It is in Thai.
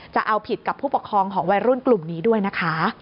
จะเอาผิดกับผู้ปกครองของวัยรุ่นกลุ่มนี้ด้วยนะคะ